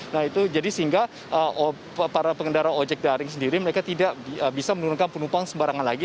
nah itu jadi sehingga para pengendara ojek daring sendiri mereka tidak bisa menurunkan penumpang sembarangan lagi